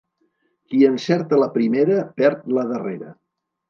Qui encerta la primera perd la darrera.